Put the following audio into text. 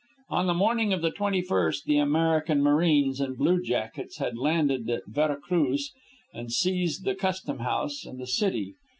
On the morning of the twenty first the American marines and bluejackets had landed at Vera Cruz and seized the custom house and the city.